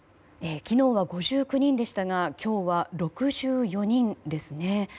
昨日は５９人でしたが今日は６４人ですね。